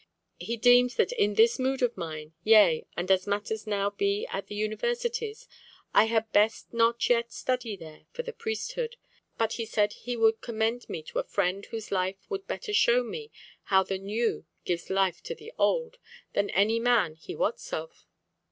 "He deemed that in this mood of mine, yea, and as matters now be at the universities, I had best not as yet study there for the priesthood. But he said he would commend me to a friend whose life would better show me how the new gives life to the old than any man he wots of."